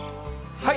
はい。